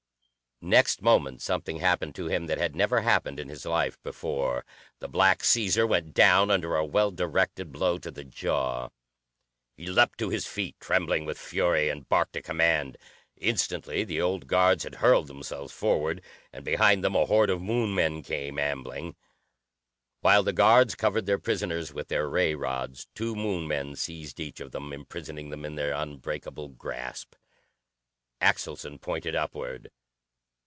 Next moment something happened to him that had never happened in his life before. The Black Caesar went down under a well directed blow to the jaw. He leaped to his feet trembling with fury and barked a command. Instantly the old guards had hurled themselves forward. And behind them a horde of Moon men came, ambling. While the guards covered their prisoners with their ray rods, two Moon men seized each of them, imprisoning him in their unbreakable grasp. Axelson pointed upward.